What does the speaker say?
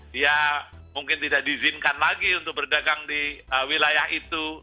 dia mungkin tidak diizinkan lagi untuk berdagang di wilayah itu